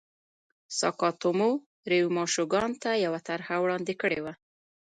ساکاتومو ریوما شوګان ته یوه طرحه وړاندې کړه.